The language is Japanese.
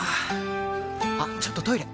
あっちょっとトイレ！